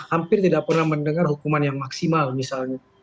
hampir tidak pernah mendengar hukuman yang maksimal misalnya